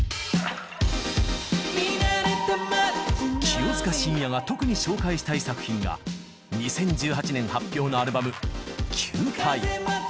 清塚信也が特に紹介したい作品が２０１８年発表のアルバム「球体」。